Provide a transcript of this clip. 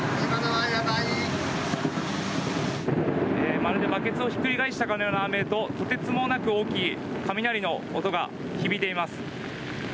まるでバケツをひっくり返したかのような雨ととてつもなく大きい雷の音が響いています。